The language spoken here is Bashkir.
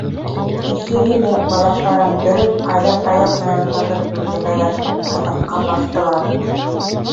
Өсөһө лә, балаҡтарын төрөп, Айҙар таяҡ менән һыҙып билдәләгән һыҙыҡҡа баҫтылар.